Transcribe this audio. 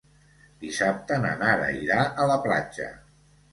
Dissabte na Nara irà a la platja.